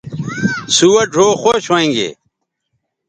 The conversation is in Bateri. سوہ ڙھؤ خوش ھویں گے